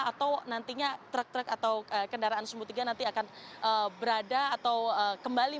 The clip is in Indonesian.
atau nantinya truk truk atau kendaraan sumbu tiga nanti akan berada atau kembali